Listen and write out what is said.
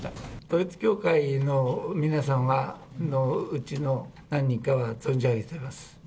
統一教会の皆さんのうちの何人かは存じ上げております。